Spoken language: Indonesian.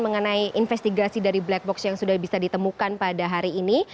mengenai investigasi dari black box yang sudah bisa ditemukan pada hari ini